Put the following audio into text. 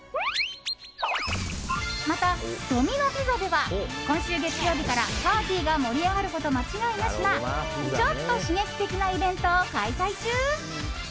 また、ドミノ・ピザでは今週月曜日からパーティーが盛り上がること間違いなしなちょっと刺激的なイベントを開催中！